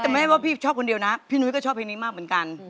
แต่แม่ว่าพี่ชอบคนเดียวนะพี่นุ้ยก็ชอบเพลงนี้มากเหมือนกัน